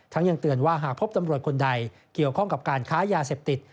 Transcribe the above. ยังเตือนว่าหากพบตำรวจคนใดเกี่ยวข้องกับการค้ายาเสพติด